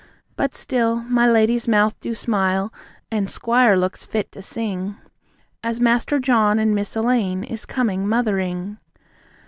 But still, my lady's mouth do smile, and squire looks fit to sing, As Master John and Miss Elaine is coming Mothering.